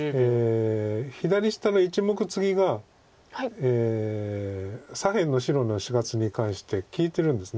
左下の１目ツギが左辺の白の死活に関して利いてるんです。